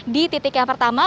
di titik yang pertama